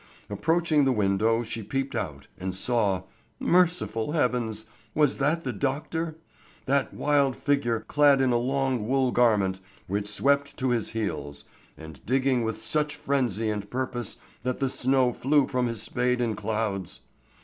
Approaching the window she peeped out and saw—Merciful heavens, was that the doctor?—that wild figure clad in a long wool garment which swept to his heels, and digging with such frenzy and purpose that the snow flew from his spade in clouds?